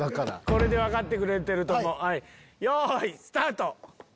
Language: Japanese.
これで分かってくれると思うよいスタート！